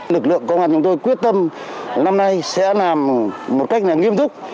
lực lượng công an chúng tôi quyết tâm năm nay sẽ làm một cách nghiêm túc